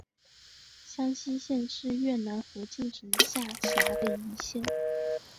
香溪县是越南河静省下辖的一县。